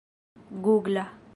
gugla